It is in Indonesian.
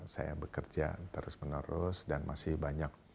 saya bekerja terus menerus dan masih banyak